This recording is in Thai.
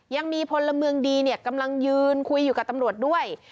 ยังมีพลเมืองดีเนี่ยกำลังยืนคุยอยู่กับตำรวจด้วย